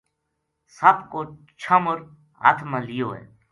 سپ کو چھامر ہتھ ما لیو ہے